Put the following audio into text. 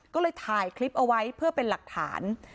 ก็เลยถ่ายคลิปเอาไว้เพื่อเป็นหลักฐาน